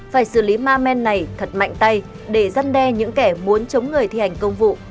phải xử lý ma men này thật mạnh tay để giăn đe những kẻ muốn chống người thi hành công vụ